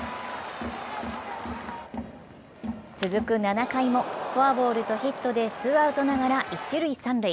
続く７回もフォアボールとヒットでツーアウトながら一・三塁。